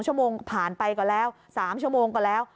ชั่วโมงผ่านไปก็แล้ว๓ชั่วโมงก็แล้ว